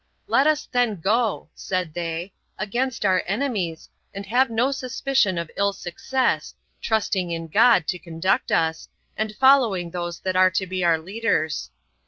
"Let us then go," said they, "against our enemies, and have no suspicion of ill success, trusting in God to conduct us, and following those that are to be our leaders."